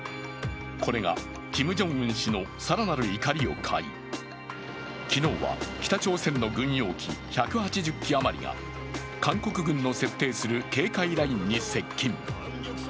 これがキム・ジョンウン氏の更なる怒りを買い、昨日は、北朝鮮の軍用機１８０機余りが韓国軍の設定する警戒ラインに接近。